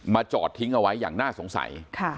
จอดทิ้งเอาไว้อย่างน่าสงสัย